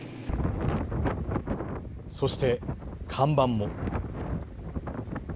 そして看板も。